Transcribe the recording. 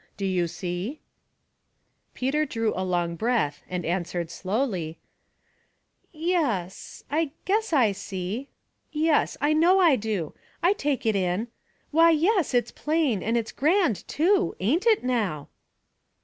Do you see ?" A Sermon. 61 Peter drew a long breath, and answered Blowly, —" Yes — I guess I see — yes — I know I do. I take it in. Why, yes — it's plain; and it's grand too. Ain't it now